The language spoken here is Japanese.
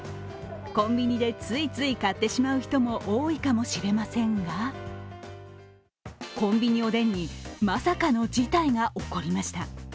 コンビニでついつい買ってしまう人も多いかもしれませんがコンビニおでんに、まさかの事態が起こりました。